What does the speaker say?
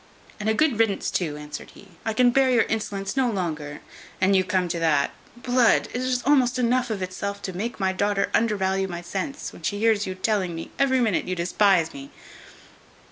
"And a good riddance too," answered he; "I can bear your insolence no longer, an you come to that. Blood! it is almost enough of itself to make my daughter undervalue my sense, when she hears you telling me every minute you despise me."